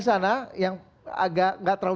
sana yang agak nggak terlalu